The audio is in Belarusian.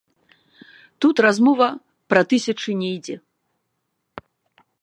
Тут размова пра тысячы не ідзе.